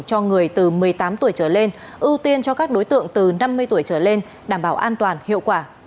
cho người từ một mươi tám tuổi trở lên ưu tiên cho các đối tượng từ năm mươi tuổi trở lên đảm bảo an toàn hiệu quả